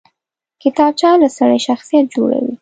کتابچه له سړي شخصیت جوړوي